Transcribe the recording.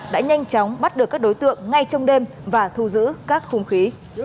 đã nhanh chóng bắt được các đối tượng ngay trong đêm và thu giữ các khung khí